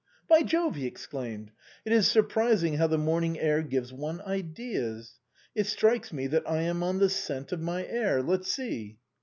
" By Jove !" he exclaimed, " it is surprising how the morning air gives one ideas! It strikes me that I am on the scent of my air. Let's see."